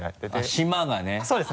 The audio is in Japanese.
島がね。